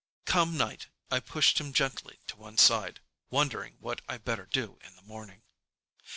Come night, I pushed him gently to one side, wondering what I better do in the morning.